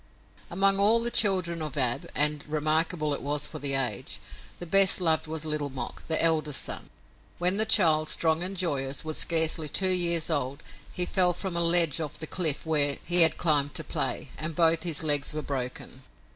Among all the children of Ab and remarkable it was for the age the best loved was Little Mok, the eldest son. When the child, strong and joyous, was scarcely two years old, he fell from a ledge off the cliff where he had climbed to play, and both his legs were broken.